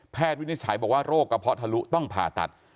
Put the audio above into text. แพทย์วิทยาศัยบอกว่าโรคกระเพาะทะลุต้องผ่าตัด